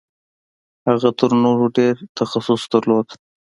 هغه تر نورو ډېر تخصص درلود.